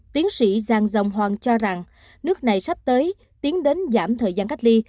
tiến sĩ giang dông hoang cho rằng nước này sắp tới tiến đến giảm thời gian cách ly